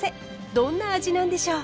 どんな味なんでしょう？